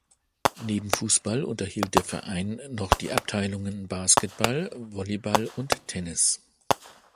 Neben Fußball unterhielt der Verein noch die Abteilungen Basketball, Volleyball und Tennis.